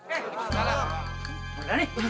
eh mbak dhani